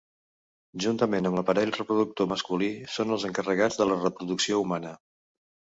Juntament amb l'aparell reproductor masculí, són els encarregats de la reproducció humana.